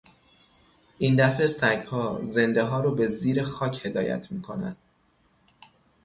این دفعه سگها، زنده ها رو به زیر خاک هدایت میکنن